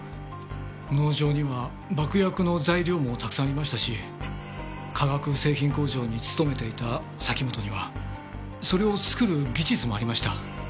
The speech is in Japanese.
農場には爆薬の材料もたくさんありましたし化学製品工場に勤めていた崎本にはそれを作る技術もありました。